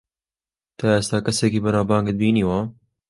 تا ئێستا کەسێکی بەناوبانگت بینیوە؟